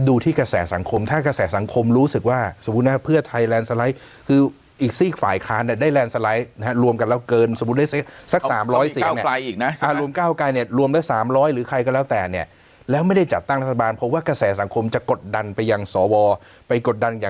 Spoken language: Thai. ดูที่กระแสสังคมถ้ากระแสสังคมรู้สึกว่าสมมุตินะฮะเพื่อไทย